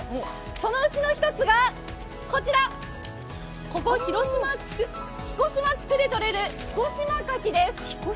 そのうちの一つがこちらここ彦島地区で取れる彦島牡蠣です。